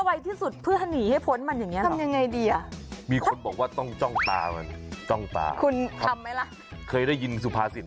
เวลาแบบหมาเบลอเห็นคนวิ่งมอไซค์อย่างเงี้ยมันก็ต้องตามถูกใช่แม่น